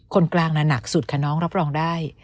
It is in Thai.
คนกลางน่ะหนักสุดค่ะน้องรับรองได้